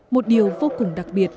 một điều vô cùng đặc biệt